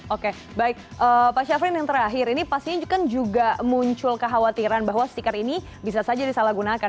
oke baik pak syafrin yang terakhir ini pastinya kan juga muncul kekhawatiran bahwa stiker ini bisa saja disalahgunakan